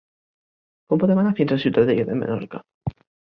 Com podem anar fins a Ciutadella de Menorca?